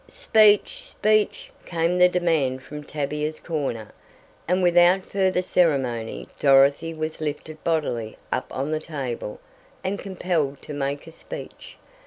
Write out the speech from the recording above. "Speech! Speech!" came the demand from Tavia's corner, and without further ceremony Dorothy was lifted bodily up on the table and compelled to make a speech.